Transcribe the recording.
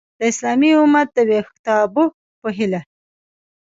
د اسلامي امت د ویښتابه په هیله!